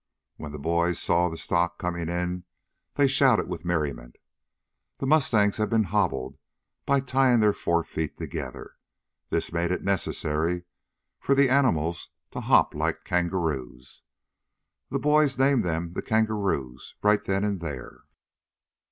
When the boys saw the stock coming in they shouted with merriment. The mustangs had been hobbled by tying their fore feet together. This made it necessary for the animals to hop like kangaroos. The boys named them the kangaroos right then and there.